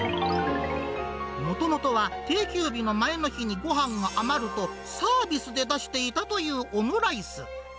もともとは定休日の前の日にごはんが余ると、サービスで出していたというオムライス。